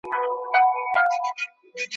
وېښته مي سپین دي په عمر زوړ یم `